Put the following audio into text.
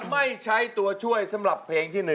ไม่ใช้ตัวช่วยสำหรับเพลงที่๑